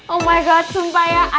oh my god sumpah ya